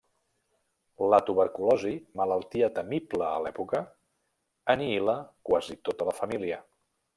La tuberculosi, malaltia temible a l'època, anihila quasi tota la família.